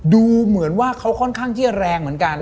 ดูเหมือนว่าเขาค่อนข้างที่จะแรงเหมือนกัน